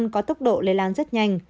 có tốc độ lây lan rất nhanh